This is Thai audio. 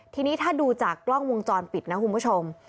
ทีนี้ถ้าดูจากกล้องวงจรปิดนะคุณผู้ชม